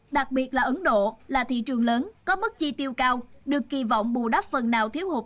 đặc biệt là ấn độ là thị trường lớn có mức chi tiêu cao được kỳ vọng bù đắp phần nào thiếu hụt